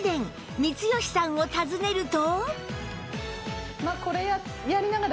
光吉さんを訪ねると